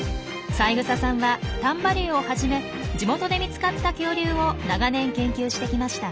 三枝さんは丹波竜をはじめ地元で見つかった恐竜を長年研究してきました。